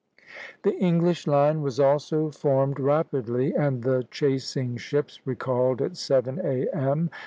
The English line was also formed rapidly, and the chasing ships recalled at seven A.M.